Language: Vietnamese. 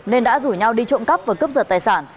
nên đã rủ nhau đi trộm cắp và cướp giật tài sản